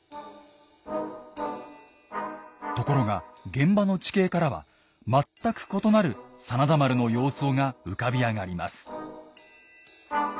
ところが現場の地形からは全く異なる真田丸の様相が浮かび上がります。